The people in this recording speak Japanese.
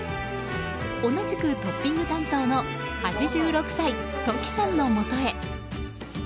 同じくトッピング担当の８６歳、トキさんのもとへ。